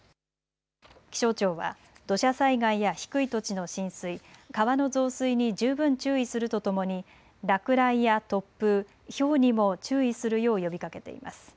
気象庁は土砂災害や低い土地の浸水、川の増水に十分注意するとともに落雷や突風、ひょうにも注意するよう呼びかけています。